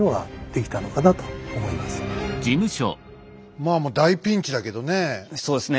まあもう大ピンチだけどねえ。